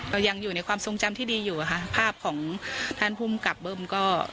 เรายังอยู่ในความทรงจำที่ดีอยู่อะค่ะภาพของท่านภูมิกับเบิ้มก็